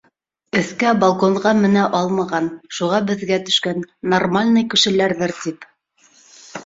Өҫкә балконға менә алмаған, шуға беҙгә төшкән, нормальный кешеләрҙер тип.